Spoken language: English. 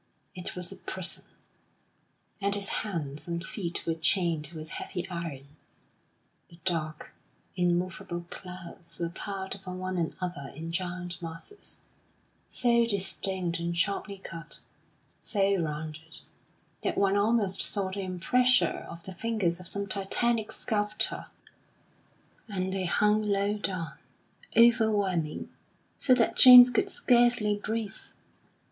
It was a prison, and his hands and feet were chained with heavy iron.... The dark, immovable clouds were piled upon one another in giant masses so distinct and sharply cut, so rounded, that one almost saw the impressure of the fingers of some Titanic sculptor; and they hung low down, overwhelming, so that James could scarcely breathe.